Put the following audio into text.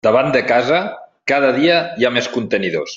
Davant de casa cada dia hi ha més contenidors.